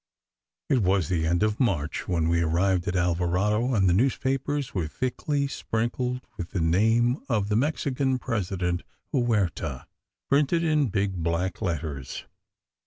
It was the end of March when we arrived at Alvarado, and the newspapers were thickly sprinkled with the name of the Mexican President Huerta, printed in big, black letters.